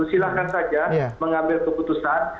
silahkan saja mengambil keputusan